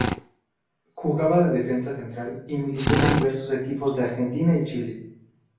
Jugaba de defensa central y militó en diversos equipos de Argentina y Chile.